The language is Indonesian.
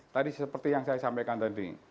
tadi seperti yang saya sampaikan tadi